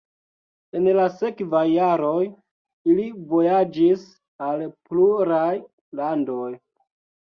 En la sekvaj jaroj ili vojaĝis al pluraj landoj.